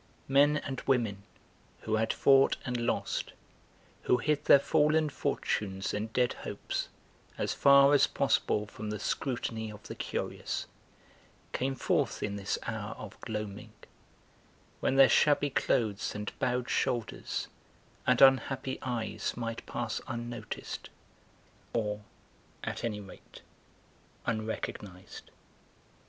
Men and women, who had fought and lost, who hid their fallen fortunes and dead hopes as far as possible from the scrutiny of the curious, came forth in this hour of gloaming, when their shabby clothes and bowed shoulders and unhappy eyes might pass unnoticed, or, at any rate, unrecognised.